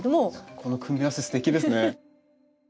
この組み合わせすてきですね。